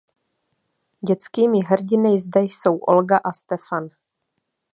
Dětskými hrdiny zde jsou Olga a Stefan.